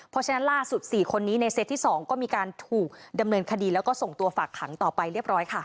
เพราะฉะนั้นล่าสุด๔คนนี้ในเซตที่๒ก็มีการถูกดำเนินคดีแล้วก็ส่งตัวฝากขังต่อไปเรียบร้อยค่ะ